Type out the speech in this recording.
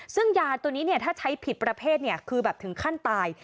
ซึ่งยาตัวนี้ถ้าใช้ผิดประเภทคือแบบถึงขั้นตาย